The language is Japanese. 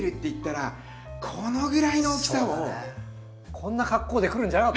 こんな格好で来るんじゃなかったよ。